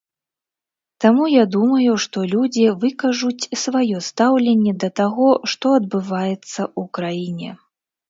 Таму я думаю, што людзі выкажуць сваё стаўленне да таго, што адбываецца ў краіне.